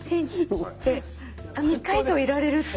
あっ３日以上いられるって。